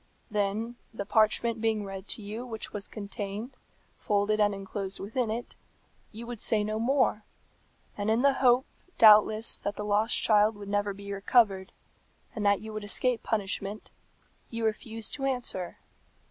Then, the parchment being read to you which was contained, folded and enclosed within it, you would say no more; and in the hope, doubtless, that the lost child would never be recovered, and that you would escape punishment, you refuse to answer.